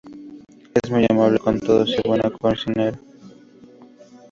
Es muy amable con todos y buena cocinera.